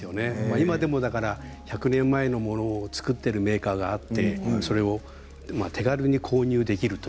今でも１００年前のものを作っているメーカーがあってそれを手軽に購入できると。